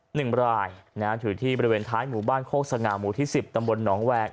หนึ่งรายถือที่บริเวณท้ายหมู่บ้านโฆษณาหมู่ที่๑๐ตำรวจหนองแหวง